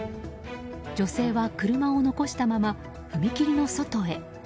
女性は車を残したまま踏切の外へ。